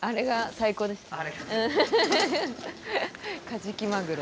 カジキマグロ。